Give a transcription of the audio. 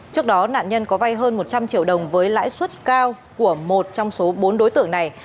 trước đó nạn nhân có vay hơn một trăm linh triệu đồng với lãi suất cao của một trong số bốn đối tượng này